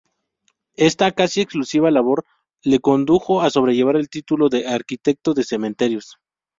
Esta casi exclusiva labor le condujo a sobrellevar el título de "arquitecto de cementerios".